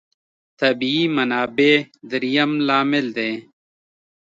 طبیعي منابع درېیم لامل دی.